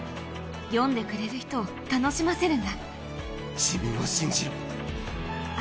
読んでくれる人を楽しませる自分を信じろ。